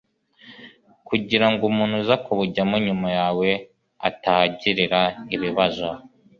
kugirango ngo umuntu uza kubujyamo nyuma yawe atahagirira ibibazo